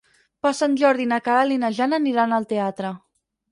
Per Sant Jordi na Queralt i na Jana aniran al teatre.